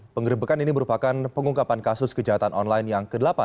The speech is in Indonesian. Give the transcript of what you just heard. pengerebekan ini merupakan pengungkapan kasus kejahatan online yang ke delapan